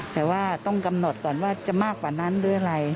แต่ว่าต้องกำหนดก่อนว่าจะมากกว่านั้นหรืออะไร